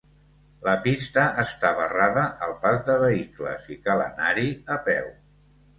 La pista està barrada al pas de vehicles i cal anar-hi a peu.